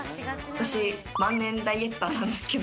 私万年ダイエッターなんですけど。